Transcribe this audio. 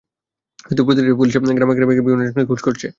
কিন্তু প্রতি রাতেই পুলিশ গ্রামে গ্রামে গিয়ে বিভিন্ন জনকে খোঁজ করছে।